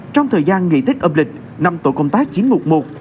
trong thời gian nghị thích âm lịch năm tổ công tác chiến mục một